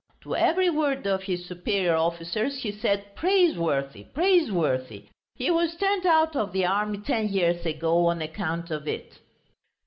To every word of his superior officers he said 'praiseworthy, praiseworthy!' He was turned out of the army ten years ago on account of it."